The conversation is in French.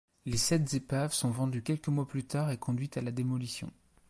Les sept épaves sont vendues quelques mois plus tard et conduites à la démolition.